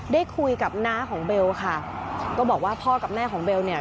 ได้คุยกับน้าของเบลค่ะก็บอกว่าพ่อกับแม่ของเบลเนี่ย